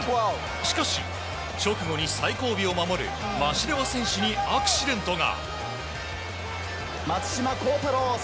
しかし、直後に最後尾を守るマシレワ選手にアクシデントが。